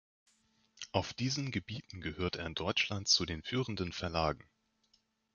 Auf diesen Gebieten gehört er in Deutschland zu den führenden Verlagen.